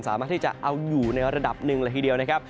สามารถที่จะเอาอยู่ในระดับหนึ่งเลยทีเดียวนะครับ